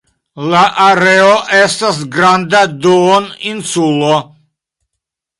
La areo estas granda duoninsulo.